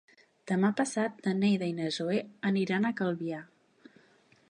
Demà passat na Neida i na Zoè aniran a Calvià.